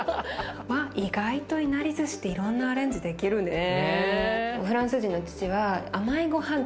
意外といなりずしっていろんなアレンジできるね。